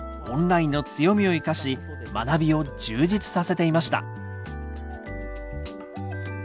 オンラインの強みを生かし学びを充実させていました。